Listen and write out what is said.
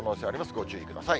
ご注意ください。